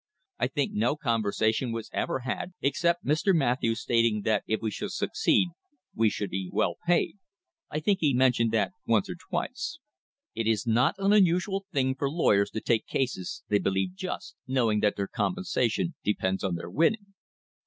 I think no conversation was ever had except Mr. Matthews stating that if we should succeed we should be well paid. I think he mentioned that once or twice." It is not an unusual thing for lawyers to take cases they believe just, knowing that their compensation depends on their winning.